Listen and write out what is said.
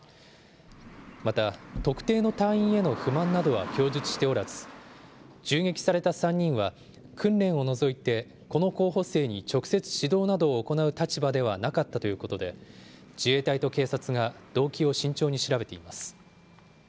また、特定の隊員への不満などは供述しておらず、銃撃された３人は訓練を除いて、この候補生に直接指導などを行う立場ではなかったということで、自衛隊と警察が動機を慎重に調べています。